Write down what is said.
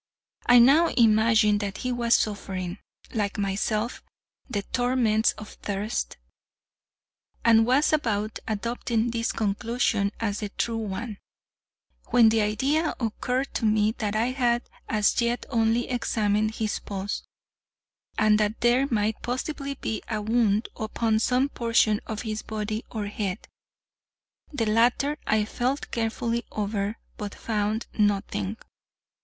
I now imagined that he was suffering, like myself, the torments of thirst, and was about adopting this conclusion as the true one, when the idea occurred to me that I had as yet only examined his paws, and that there might possibly be a wound upon some portion of his body or head. The latter I felt carefully over, but found nothing.